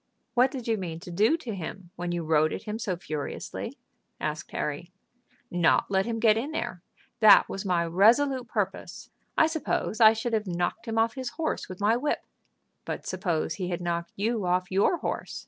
"What did you mean to do to him when you rode at him so furiously?" asked Harry. "Not let him get in there. That was my resolute purpose. I suppose I should have knocked him off his horse with my whip." "But suppose he had knocked you off your horse?"